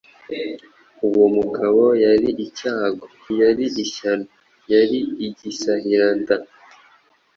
Uwo mugabo yari icyago, yari ishyano, yari igisahiranda ;